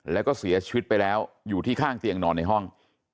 แล้วก็เสียชีวิตไปแล้วอยู่ที่ข้างเตียงนอนในห้อง